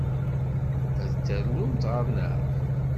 Ad d-ternumt ɣer-neɣ?